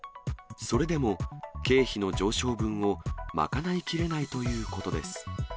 それでも経費の上昇分を賄いきれないということです。